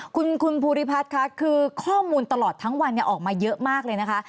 คุณภูริพัฒน์ค่ะคือข้อมูลตลอดทั้งวันออกมาเยอะมากเลยนะคะ